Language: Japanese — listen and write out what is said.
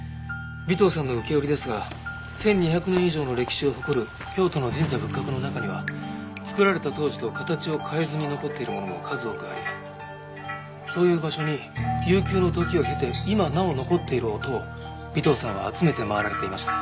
尾藤さんの受け売りですが１２００年以上の歴史を誇る京都の神社仏閣の中には作られた当時と形を変えずに残っているものも数多くありそういう場所に悠久の時を経て今なお残っている音を尾藤さんは集めて回られていました。